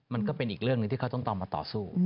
มันก็เป็นอีกเรื่องหนึ่งที่เขาต้องมาต่อสู้